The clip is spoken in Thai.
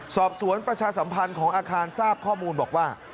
สอบสวนประชาสัมพันธ์ของอาคารทราบข้อมูลบอกว่า